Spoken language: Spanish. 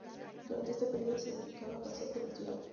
Durante ese período se dedicaba a pasear por la ciudad.